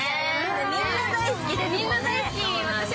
みんな大好きです。